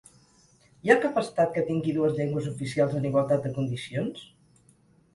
Hi ha cap estat que tingui dues llengües oficials en igualtat de condicions?